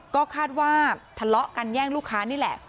ก็คาดว่าทะเลาะกันแย่งลูกค้านี่แหละ